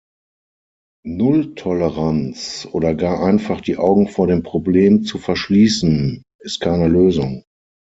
Nulltoleranz oder gar einfach die Augen vor dem Problem zu verschließen ist keine Lösung.